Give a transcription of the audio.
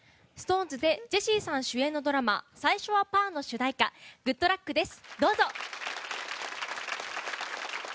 ＳｉｘＴＯＮＥＳでジェシーさん主演のドラマ「最初はパー」の主題歌「ＧｏｏｄＬｕｃｋ！」です。